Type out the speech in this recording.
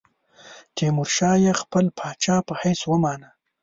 تیمورشاه یې خپل پاچا په حیث ومانه.